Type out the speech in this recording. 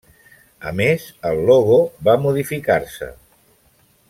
A més, el logo va modificar-se.